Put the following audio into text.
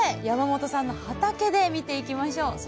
山本さんの畑で見ていきましょう。